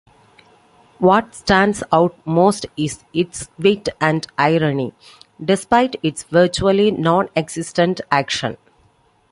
What stands out most is its wit and irony, despite its virtually nonexistent action.